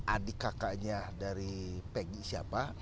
adik kakaknya dari pegi siapa